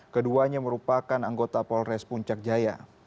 keduanya merupakan anggota polres puncak jaya